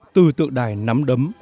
từ tượng đài nắm đấm